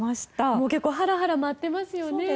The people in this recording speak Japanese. もう結構はらはらと舞ってますよね。